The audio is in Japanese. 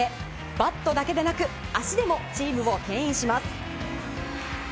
バットだけでなく足でもチームを牽引します。